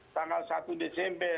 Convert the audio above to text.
tanggal satu desember